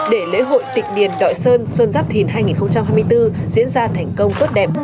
để lễ hội tịch điền đội sơn xuân giáp thìn hai nghìn hai mươi bốn diễn ra thành công tốt đẹp